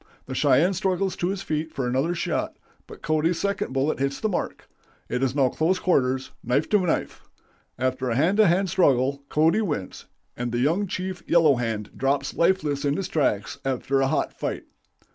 The Cheyenne struggles to his feet for another shot, but Cody's second bullet hits the mark. It is now close quarters, knife to knife. After a hand to hand struggle, Cody wins, and the young chief Yellow Hand drops lifeless in his tracks after a hot fight.